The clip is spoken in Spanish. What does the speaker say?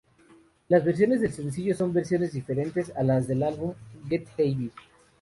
Las canciones del sencillo son versiones diferentes a las del álbum "Get Heavy".